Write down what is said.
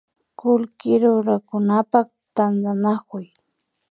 Kullki rurakunapak tantanakuy